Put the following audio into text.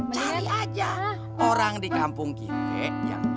cari aja orang di kampung kita yang bisa ke